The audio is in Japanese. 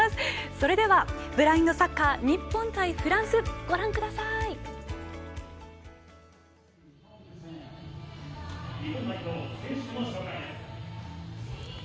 それでは、ブラインドサッカー日本対フランス、ご覧ください。